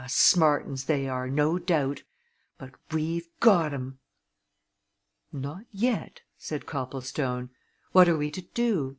smart 'uns they are, no doubt. But we've got 'em!" "Not yet," said Copplestone. "What are we to do.